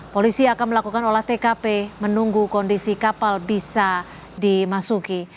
polisi akan melakukan olah tkp menunggu kondisi kapal bisa dimasuki